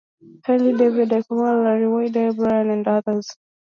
Henry, David Aikman, Larry Woiwode, Bryan Chapell, and others.